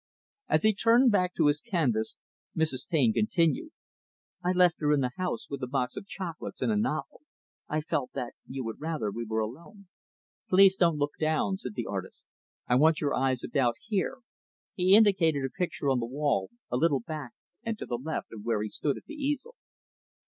As he turned back to his canvas, Mrs. Taine continued, "I left her in the house, with a box of chocolates and a novel. I felt that you would rather we were alone." "Please don't look down," said the artist. "I want your eyes about here" he indicated a picture on the wall, a little back and to the left of where he stood at the easel.